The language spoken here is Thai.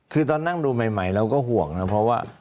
คือตอนนั่งดูใหม่เราก็ห่วงนะเพราะว่า